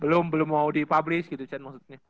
belum belum mau di publish gitu kan maksudnya